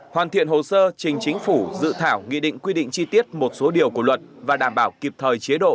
hoàn thiện hồ sơ trình chính phủ dự thảo nghị định quy định chi tiết một số điều của luật và đảm bảo kịp thời chế độ